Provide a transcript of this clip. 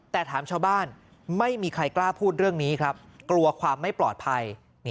แต่ถามชาวบ้านไม่มีใครกล้าพูดเรื่องนี้ครับกลัวความไม่ปลอดภัย